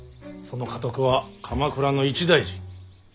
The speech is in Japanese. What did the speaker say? その家督は鎌倉の一大事。